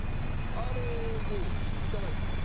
あれを頂いたんです。